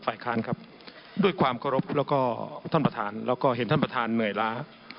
ค้านครับด้วยความเคารพแล้วก็ท่านประธานแล้วก็เห็นท่านประธานเหนื่อยล้า